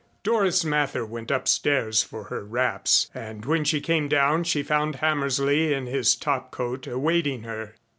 Doris Mather went upstairs for her wraps and when she came down she found Hammersley in his topcoat awaiting her.